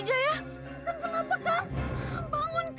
jangan tinggal sama aku bang